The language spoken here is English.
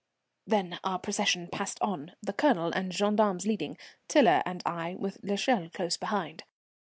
Then our procession passed on, the Colonel and gendarmes leading, Tiler and I with l'Echelle close behind.